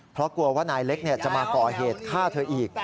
เพราะกลัวว่านายเล็กจะมาก่อเหตุฆ่าเธออีก